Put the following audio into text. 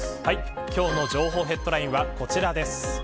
今日の情報ヘッドラインはこちらです。